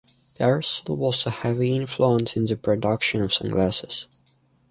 Persol was a heavy influence in the production of sunglasses.